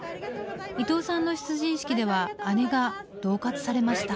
伊藤さんの出陣式では姉が恫喝されました。